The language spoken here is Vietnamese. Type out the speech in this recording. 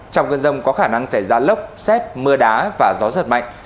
trong cơn rông có khả năng xảy ra lốc xét mưa đá và gió giật mạnh